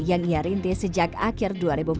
yang ia rintis sejak akhir dua ribu empat belas